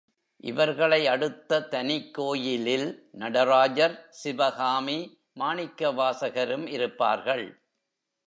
இவர்களை அடுத்த தனிக்கோயிலில் நடராஜர், சிவகாமி, மாணிக்கவாசகரும் இருப்பார்கள்.